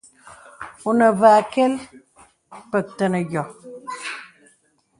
Wu nə və akə̀l, pək tənə yɔ̀.